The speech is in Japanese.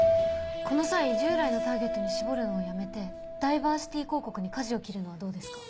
この際従来のターゲットに絞るのをやめてダイバーシティ広告にかじを切るのはどうですか？